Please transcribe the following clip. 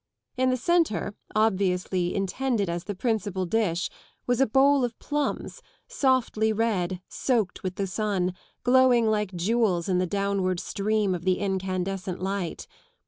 In the centre, obviously Jatended as the principal dish, was a bowl of plums, softly red, soaked with the sun, glowing like jewels in the downward stream of the incandescent light.